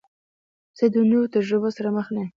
زه د نوو تجربو سره مخ نه یم.